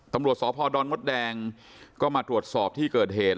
ตำรวจทรอบฮอร์ดอนมอดแดงก็มาตรวจสอบที่เกิดเหตุ